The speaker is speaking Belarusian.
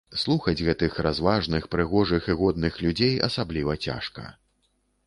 Слухаць гэтых разважных, прыгожых і годных людзей асабліва цяжка.